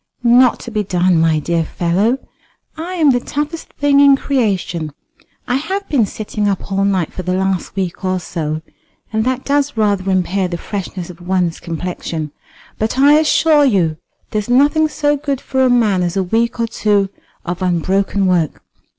"Not to be done, my dear fellow. I am the toughest thing in creation. I have been sitting up all night for the last week or so, and that does rather impair the freshness of one's complexion; but I assure you there's nothing so good for a man as a week or two of unbroken work.